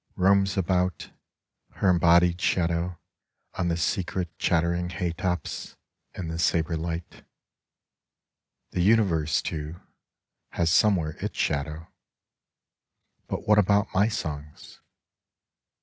roams about, her embodied shadow on the secret chattering hay tops, in the sabre light. The Universe, too, has somewhere its shadow ;— but what about my songs